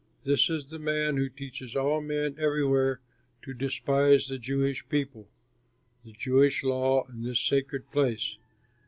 This is the man who teaches all men, everywhere, to despise the Jewish people, the Jewish law, and this sacred place."